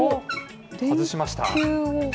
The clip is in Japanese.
外しました。